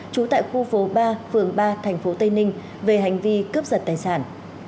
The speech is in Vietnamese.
trú tại khu phố ba phường ba thành phố tây ninh về hành vi cướp giật tài sản